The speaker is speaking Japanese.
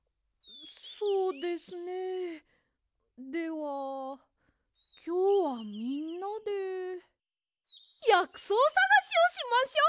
そうですねではきょうはみんなでやくそうさがしをしましょう！